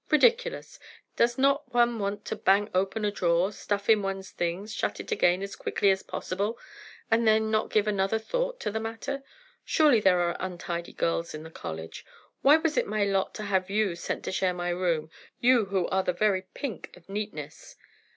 Ridiculous! Does not one want to bang open a drawer, stuff in one's things, shut it again as quickly as possible, and then not give another thought to the matter? Surely there are untidy girls in the college: why was it my lot to have you sent to share my room—you who are the very pink of neatness?"